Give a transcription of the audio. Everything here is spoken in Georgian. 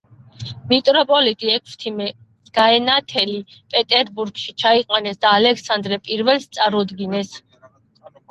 მიტროპოლიტი ექვთიმე გაენათელი პეტერბურგში ჩაიყვანეს და ალექსანდრე I-ს წარუდგინეს.